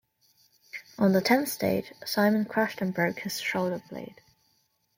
On the tenth stage, Simon crashed and broke his shoulder blade.